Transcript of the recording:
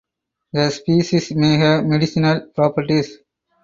The species may have medicinal properties.